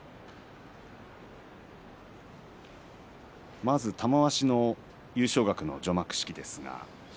まず玉鷲の優勝額の除幕式ですが